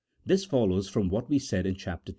This follows from what we said in Chap. H.